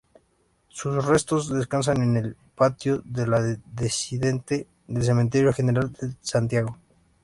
Sus restos descansan en el Patio de los Disidentes del Cementerio General de Santiago.